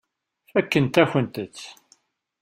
Fakkent-akent-t.